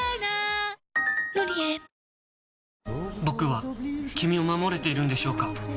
僕は君を守れているんでしょうか？